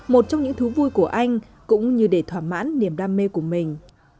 một trong những thứ vui của anh cũng như để thoả mãn niềm đam mê của mình